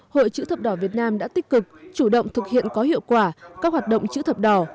hội chữ thập đỏ việt nam đã tích cực chủ động thực hiện có hiệu quả các hoạt động chữ thập đỏ